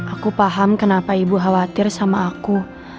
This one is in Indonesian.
aku paham kenapa ibu khawatir sama aku